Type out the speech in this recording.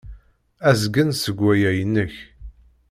Azgen seg waya inek.